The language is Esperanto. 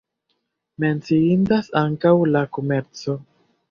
Menciindas ankaŭ la komerco.